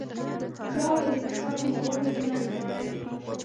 ژاوله د فشار کمولو کې مرسته کوي.